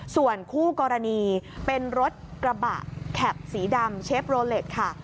ส่วนคู่กรณีเป็นรถกระบะแคปสีดำเชฟโลเล็ตค่ะ